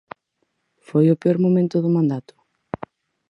Foi o peor momento do mandato?